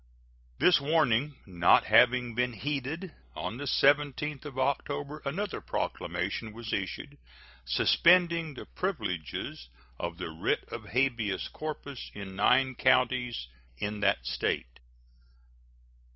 This warning not having been heeded, on the 17th of October another proclamation was issued, suspending the privileges of the writ of habeas corpus in nine counties in that State.